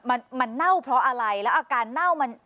มันมันเน่าเพราะอะไรแล้วอาการเน่ามัน